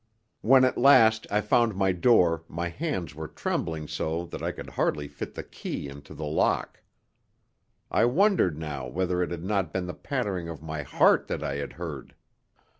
When at last I found my door my hands were trembling so that I could hardly fit the key into the lock. I wondered now whether it had not been the pattering of my heart that I had heard.